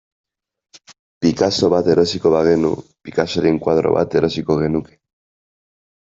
Picasso bat erosiko bagenu, Picassoren koadro bat erosiko genuke.